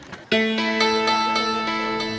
ini yang kecil ini yang besar